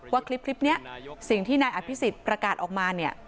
ว่าคลิปนี้สิ่งที่นายอภิษฎประกาศออกมาเนี่ย